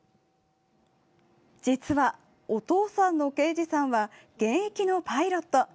実は、お父さんの圭司さんは現役のパイロット。